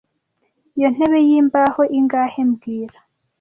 Iyo ntebe yimbaho ingahe mbwira